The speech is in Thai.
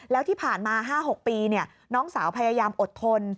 แล้วที่ผ่านมา๕๖ปีน้องสาวพยายามอดทน